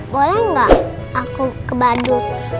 boleh nggak aku ke bandung